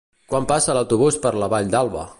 Quan passa l'autobús per la Vall d'Alba?